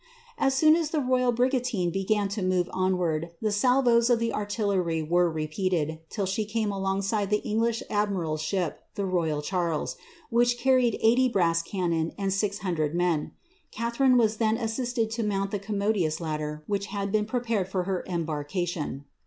As soon as the royal brigantine began to move onward, tl: of artillery were repeated, till she came alongside the English ship, the Royal Charles, which carried 80 brass cannon and Catharine was then assisted to mount the commodious ladder ^ been prepared for her embarkation.